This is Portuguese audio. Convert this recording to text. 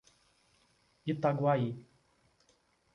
Itaguaí